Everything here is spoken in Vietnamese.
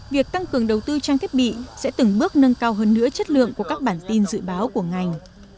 việc tăng cường đầu tư trang thiết bị sẽ từng bước nâng cao hơn nữa chất lượng của các bản tin dự báo của ngành